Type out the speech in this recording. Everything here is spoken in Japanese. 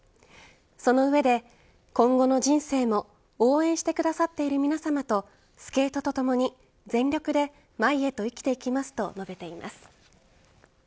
その上で、今後の人生も応援してくださっている皆さまとスケートとともに、全力で前へと生きていきますと述べています。